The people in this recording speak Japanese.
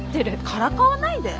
からかわないで。